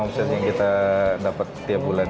omset yang kita dapat tiap bulan